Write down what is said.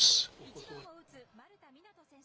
１番を打つ丸田湊斗選手。